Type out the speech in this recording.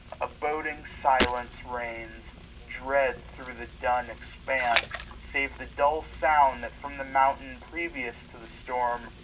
A boding silence reigns. Dread thro* the dun expanse ; save the dull sound That from the mountain, previous to the storm.